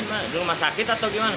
di rumah sakit